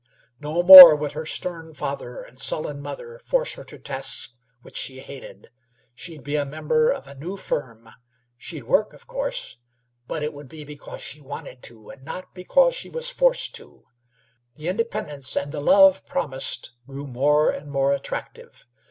No more would her stern father and sullen mother force her to tasks which she hated. She'd be a member of a new firm. She'd work, of course, but it would be because she wanted to, and not because she was forced to. The independence and the love promised grew more and more attractive.